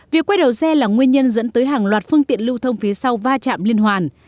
việc quay đầu xe là nguyên nhân dẫn tới hàng loạt phương tiện lưu thông phía sau va chạm liên hoàn